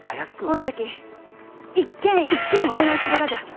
ほんじゃき一軒一軒お願いするがじゃ。